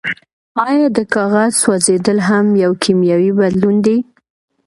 ایا د کاغذ سوځیدل هم یو کیمیاوي بدلون دی